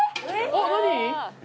あっ何？